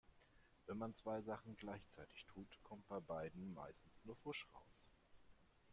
Wenn man zwei Sachen gleichzeitig tut, kommt bei beidem meistens nur Pfusch raus.